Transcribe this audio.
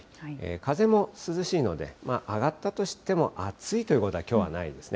風も涼しいので、上がったとしても、暑いということはきょうはないですね。